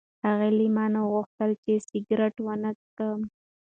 هغې له ما نه وغوښتل چې سګرټ ونه څښم.